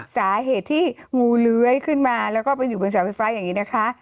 สาเหตุที่งูเลื้อยขึ้นมาแล้วก็ไปอยู่บนเสาไฟฟ้าอย่างนี้นะคะ